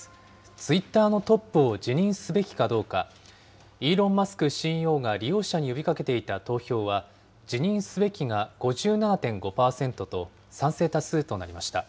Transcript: ツイッターのトップを辞任すべきかどうか、イーロン・マスクＣＥＯが利用者に呼びかけていた投票は、辞任すべきが５７．５％と、賛成多数となりました。